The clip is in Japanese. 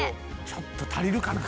「ちょっと足りるかな？